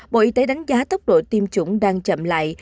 bộ y tế đánh giá tốc độ tiêm chủng đang chậm lại